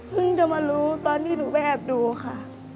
เพิ่งจะมารู้ตอนนี้หนูแพบดูค่ะ